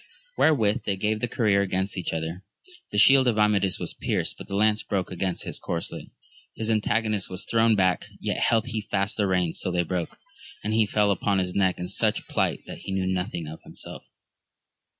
Wherewith they gave the career against each other ; the shield of. Amadis was pierced, but the lance broke against his corslet ; his antagonist was thrown back, yet held he fast the reins till they broke, and he fell upon his neck in such plight that he knew nothing of himself.